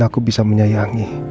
aku bisa menyayangi